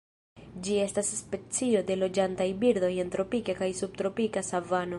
Ĝi estas specio de loĝantaj birdoj en tropika kaj subtropika savano.